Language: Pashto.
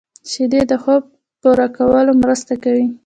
شیدې د خوب پوره کولو مرسته کوي